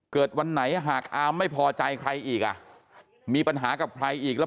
วันไหนหากอามไม่พอใจใครอีกอ่ะมีปัญหากับใครอีกแล้ว